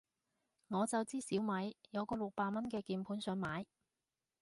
我就知小米有個六百蚊嘅鍵盤想買